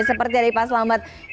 seperti yang pak selamat